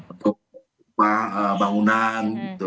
untuk upah bangunan gitu